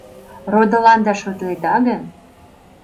Родыланда шотледа гын